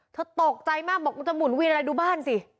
เธอตกใจมากบอกว่าจะหมุนเวียนอะไรดูบ้านสิ